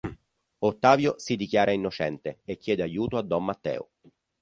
Ottavio si dichiara innocente e chiede aiuto a don Matteo.